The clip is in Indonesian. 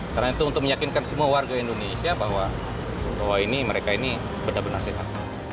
karena itu untuk menyakinkan semua warga indonesia bahwa mereka ini benar benar sehat